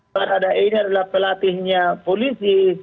baradae ini adalah pelatihnya polisi